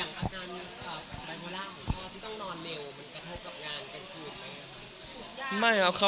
มันกระทั่งกับงานกันขึ้นไหมครับ